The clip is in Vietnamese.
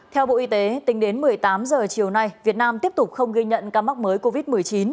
theo bộ y tế tính đến một mươi tám h chiều nay việt nam tiếp tục không ghi nhận ca mắc mới covid một mươi chín